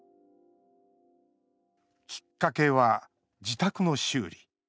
きっかけは自宅の修理。